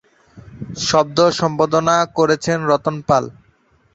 শব্দ সম্পাদনা করেছেন রতন পাল।